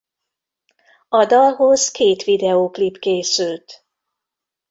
A dalhoz két videóklip készült.